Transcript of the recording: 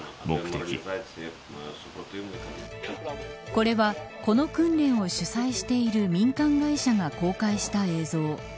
これはこの訓練を主催している民間会社が公開した映像。